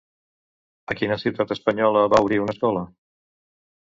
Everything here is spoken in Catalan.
A quina ciutat espanyola va obrir una escola?